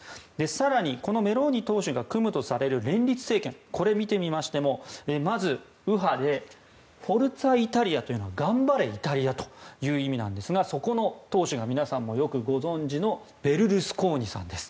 更に、メローニ党首が組むとされる連立政権これを見てみましてもまず、右派でフォルツァ・イタリアというのは頑張れイタリアという意味なんですがそこの党首が皆さんもよくご存じのベルルスコーニさんです。